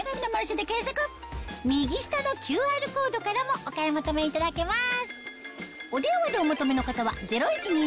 右下のＱＲコードからもお買い求めいただけます